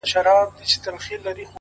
را سهید سوی؛ ساقي جانان دی؛